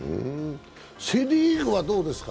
セ・リーグはどうですか？